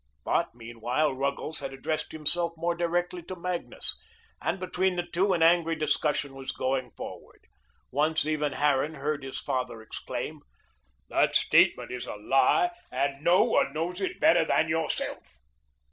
But meanwhile Ruggles had addressed himself more directly to Magnus, and between the two an angry discussion was going forward. Once even Harran heard his father exclaim: "The statement is a lie and no one knows it better than yourself."